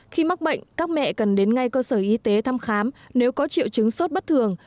khi mắc bệnh các mẹ cần đến ngay cơ sở y tế thăm khám nếu có triệu chứng sốt bất thường